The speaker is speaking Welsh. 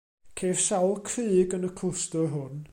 Ceir sawl crug yn y clwstwr hwn.